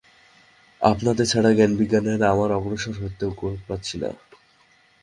আপনাদের ছাড়া জ্ঞান বিজ্ঞানে আমরা অগ্রসর হতে পারছি না।